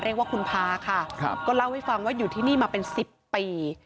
เรียกว่าคุณพาค่ะก็เล่าให้ฟังว่าอยู่ที่นี่มาเป็น๑๐ปี